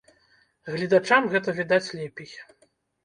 Гледачам гэта відаць лепей.